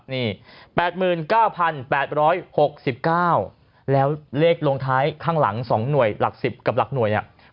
นี่๘๙๘๖๙แล้วเลขลงท้ายข้างหลัง๒หน่วยหลัก๑๐กับหลักหน่วยเนี่ย